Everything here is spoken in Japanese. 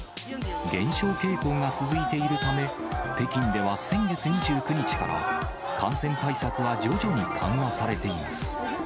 減少傾向が続いているため、北京では先月２９日から、感染対策は徐々に緩和されています。